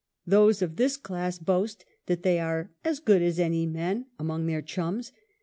Those of this class boast that they are "as good as any men" among their chums.